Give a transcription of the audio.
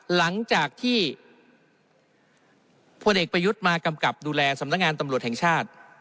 หลังจากที่พลเอกประยุทธ์มากำกับดูแลสำนักงานตำรวจแห่งชาติ